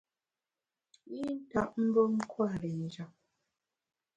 I ntap mbe nkwer i njap.